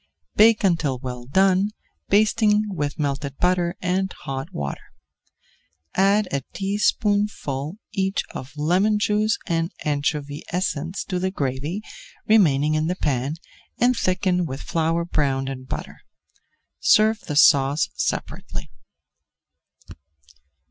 Bake until well done, basting with melted butter and hot water. Add a teaspoonful each of lemon juice and anchovy essence to the gravy remaining in the pan and thicken with flour browned in butter. Serve the sauce separately.